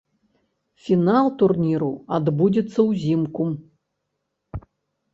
Фінал турніру адбудзецца ўзімку.